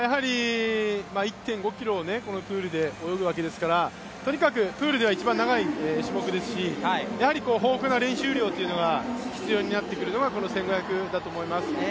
１．５ｋｍをこのプールで泳ぐわけですから、とにかくプールでは一番長い種目ですし、豊富な練習量が必要になってくるのがこの１５００だと思います。